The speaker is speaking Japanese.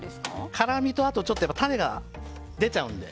辛みとちょっと種が出ちゃうので。